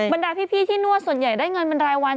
บรรดาพี่ที่นวดส่วนใหญ่ได้เงินบรรดายวัน